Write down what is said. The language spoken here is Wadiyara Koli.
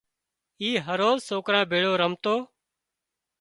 اي هروز سوڪران ڀيۯو رمتو